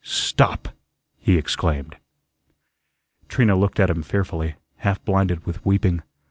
"STOP!" he exclaimed. Trina looked at him fearfully, half blinded with weeping.